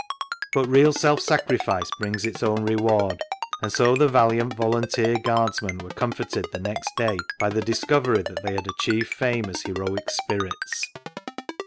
But real self sacrifice brings its own reward, and so the valiant volunteer guardsmen were comforted next day by the discovery that they had achieved fame as heroic spirits.